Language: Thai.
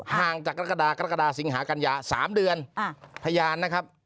ห่างจากกรกฎากรกฎาสิงหากัญญา๓เดือนพยานนะครับ